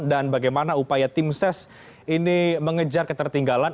dan bagaimana upaya tim ses ini mengejar ketertinggalan